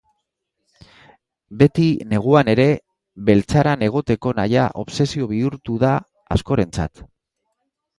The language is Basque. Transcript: Beti, neguan ere, beltzaran egoteko nahia obsesio bihurtu da askorentzat.